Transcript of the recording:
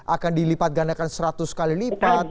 akan dilipat gandakan seratus kali lipat